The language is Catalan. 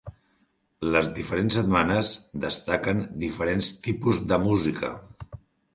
Les diferents setmanes destaquen diferents tipus de música.